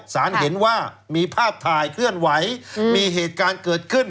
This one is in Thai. เห็นว่ามีภาพถ่ายเคลื่อนไหวมีเหตุการณ์เกิดขึ้น